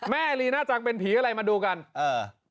ลีน่าจังเป็นผีอะไรมาดูกันเออ